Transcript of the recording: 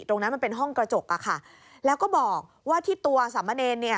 ตรงนั้นมันเป็นห้องกระจกค่ะแล้วก็บอกว่าที่ตัวสามเมอร์เนน